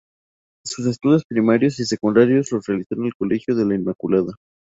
Sus estudios primarios y secundarios los realizó en el Colegio de la Inmaculada.